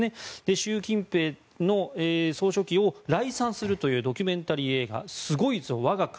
習近平総書記を礼賛するというドキュメンタリー映画「すごいぞ、我が国」。